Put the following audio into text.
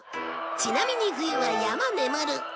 ちなみに冬は山眠る。